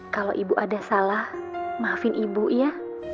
kalau ibu ada salah maafin ibu ya